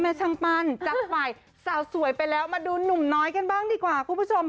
ช่างปั้นจากฝ่ายสาวสวยไปแล้วมาดูหนุ่มน้อยกันบ้างดีกว่าคุณผู้ชม